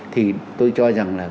thì tôi cho rằng là